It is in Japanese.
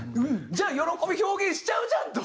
じゃあ喜び表現しちゃうじゃんと。